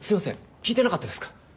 聞いてなかったですか？